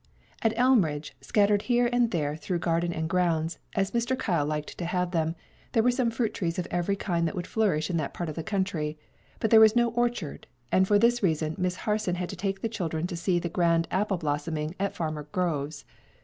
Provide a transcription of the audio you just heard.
At Elmridge, scattered here and there through garden and grounds, as Mr. Kyle liked to have them, there were some fruit trees of every kind that would flourish in that part of the country, but there was no orchard; and for this reason Miss Harson had taken the children to see the grand apple blossoming at Farmer Grove's.